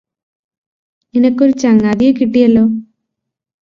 നിനക്കൊരു ചങ്ങാതിയെ കിട്ടിയല്ലോ